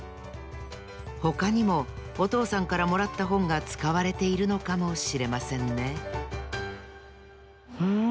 ほかにもおとうさんからもらったほんがつかわれているのかもしれませんねうん。